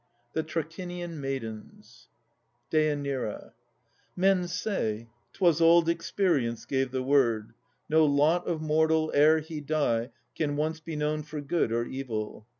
THE TRACHINIAN MAIDENS DÊANIRA. Men say, 'twas old experience gave the word, 'No lot of mortal, ere he die, can once Be known for good or evil.'